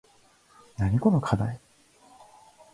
なにこのかだい